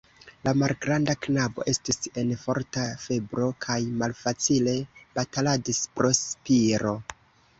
La malgranda knabo estis en forta febro kaj malfacile bataladis pro spiro.